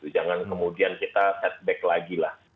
jangan kemudian kita setback lagi lah